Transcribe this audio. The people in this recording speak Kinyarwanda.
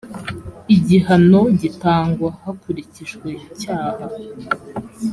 igihano gitangwa hakurikijwe icyaha.